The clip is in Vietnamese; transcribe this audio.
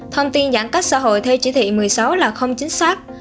thông tin giãn cách xã hội theo chỉ thị một mươi sáu là không chính xác